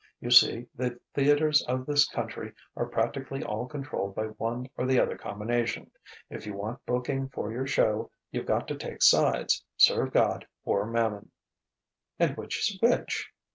You see, the theatres of this country are practically all controlled by one or the other combination. If you want booking for your show, you've got to take sides serve God or Mammon." "And which is which?"